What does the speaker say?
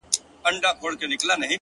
• زما خوله كي شپېلۍ اشنا؛